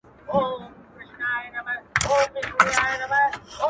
o سړیتوب کي بس دولت ورته مِعیار دی,